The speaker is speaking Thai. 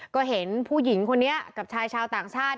ก็เห็นผู้หญิงคนนี้กับชายชาวต่างชาติ